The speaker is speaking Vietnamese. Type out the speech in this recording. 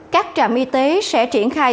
các trạm y tế sẽ triển khai